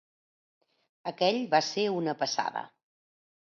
Aquell va ser una passada.